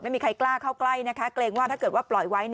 ไม่มีใครกล้าเข้าใกล้นะคะเกรงว่าถ้าเกิดว่าปล่อยไว้